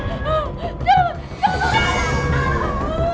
siapa yang lakukan semua ini pak